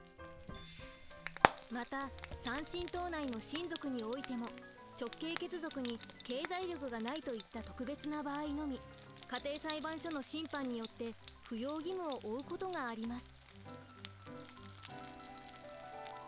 また３親等内の親族においても直系血族に経済力がないといった特別な場合のみ家庭裁判所の審判によって扶養義務を負うことがあります。